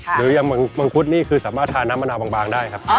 หรืออย่างมังคุดนี่คือสามารถทานน้ำมะนาวบางได้ครับ